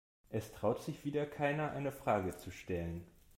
Es traut sich wieder keiner, eine Frage zu stellen.